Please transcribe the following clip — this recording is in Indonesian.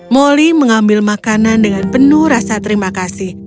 moli mengambil makanan dengan penuh rasa terima kasih